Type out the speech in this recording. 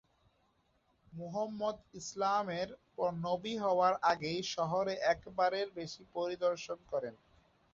মুহাম্মদ ইসলামের নবী হওয়ার আগেই শহরে একবারের বেশি পরিদর্শন করেন।